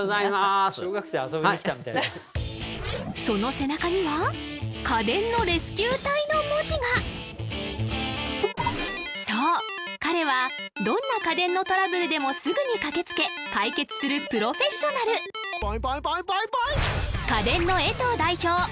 その背中には「家電のレスキュー隊」の文字がそう彼はどんな家電のトラブルでもすぐに駆けつけ解決するプロフェッショナルカデンのエトウ代表